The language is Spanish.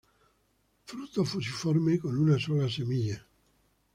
Fruto fusiforme, con una sola semilla.